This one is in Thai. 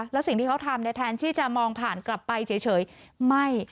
แล้วสิ่งที่เขาทำแทนที่จะมองผ่านกลับไปเฉยไม่